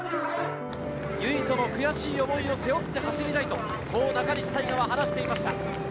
唯翔の悔しい思いを背負って走りたいと、こう中西大翔は話していました。